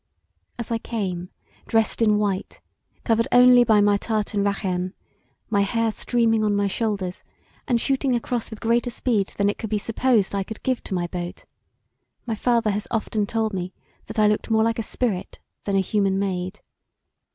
As I came, dressed in white, covered only by my tartan rachan, my hair streaming on my shoulders, and shooting across with greater speed that it could be supposed I could give to my boat, my father has often told me that I looked more like a spirit than a human maid.